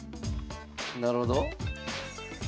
なるほど？